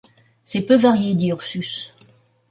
C’est peu varié, dit Ursus.